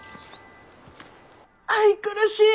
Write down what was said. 愛くるしい！